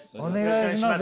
お願いします。